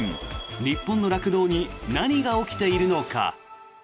日本の酪農に何が起きているのか。